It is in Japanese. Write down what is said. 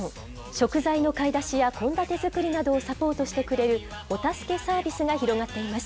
食材の買い出しや献立作りなどをサポートしてくれる、お助けサービスが広がっています。